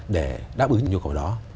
để đáp ứng nhu cầu đó